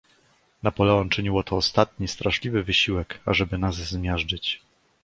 "Napoleon czynił oto ostatni, straszliwy wysiłek, ażeby nas zmiażdżyć."